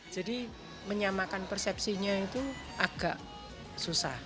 jadi menyamakan persepsinya itu agak susah